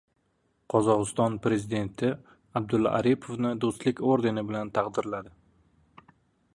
Qozog‘iston prezidenti Abdulla Aripovni «Do‘stlik» ordeni bilan taqdirladi